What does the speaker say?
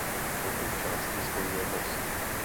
Obě části spojuje most.